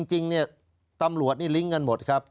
จริงเนี่ยตำรวจนี่ลิงก์กันหมดครับ